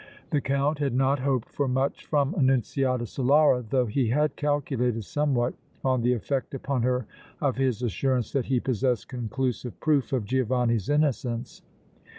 The Count had not hoped for much from Annunziata Solara, though he had calculated somewhat on the effect upon her of his assurance that he possessed conclusive proof of Giovanni's innocence.